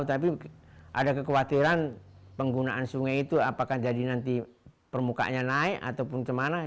tapi ada kekhawatiran penggunaan sungai itu apakah jadi nanti permukaannya naik ataupun kemana